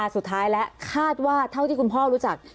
สุดท้ายแล้วคาดว่าเท่าที่คุณพ่อรู้จัก